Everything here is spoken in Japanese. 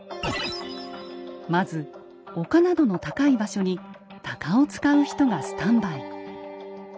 まず丘などの高い場所に鷹を使う人がスタンバイ。